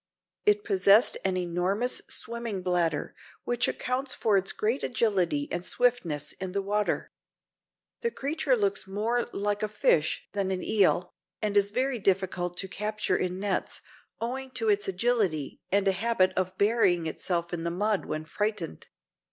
It possessed an enormous swimming bladder, which accounts for its great agility and swiftness in the water. The creature looks more like a fish than an eel, and is very difficult to capture in nets, owing to its agility and a habit of burying itself in the mud when frightened.